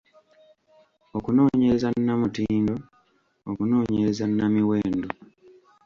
Okunoonyereza nnamutindo, okunoonyereza nnamiwendo.